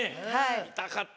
見たかった。